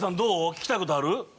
聞きたいことある？